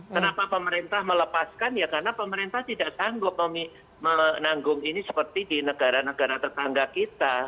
kenapa pemerintah melepaskan ya karena pemerintah tidak sanggup menanggung ini seperti di negara negara tetangga kita